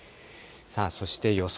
そして予想